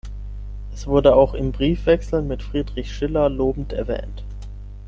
Es wurde auch im Briefwechsel mit Friedrich Schiller lobend erwähnt.